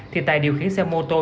thì tài điều khiển xe mô tô